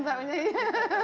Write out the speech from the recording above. oh bu bidan